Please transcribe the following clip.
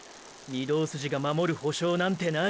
御堂筋が守る保証なんてない。